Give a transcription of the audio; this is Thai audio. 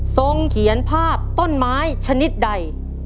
เขียนภาพต้นไม้ชนิดใด